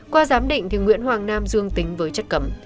qua giám định nguyễn hoàng nam dương tính với chất cấm